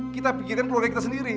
kita pikirkan keluarga kita sendiri